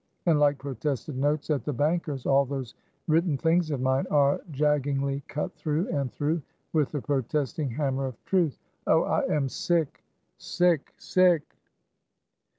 and like protested notes at the Bankers, all those written things of mine, are jaggingly cut through and through with the protesting hammer of Truth! Oh, I am sick, sick, sick!"